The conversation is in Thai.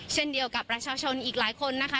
เช่นเดียวกับประชาชนอีกหลายคนนะคะ